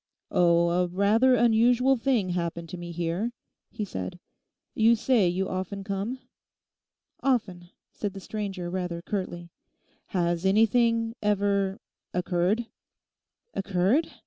'Oh, a rather unusual thing happened to me here,' he said. 'You say you often come?' 'Often,' said the stranger rather curtly. 'Has anything—ever—occurred?' '"Occurred?"